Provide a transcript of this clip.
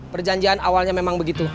perjanjian awalnya memang begitu